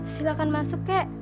silakan masuk kek